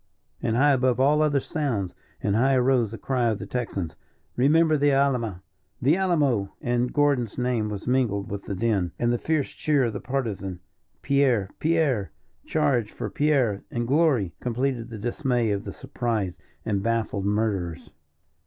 And high above all other sounds, and high arose the cry of the Texans "Remember the Alama, the Alamo?" and Gordon's name was mingled with the din; and the fierce cheer of the Partisan, "Pierre, Pierre! charge for Pierre and glory!" completed the dismay of the surprised and baffled murderers.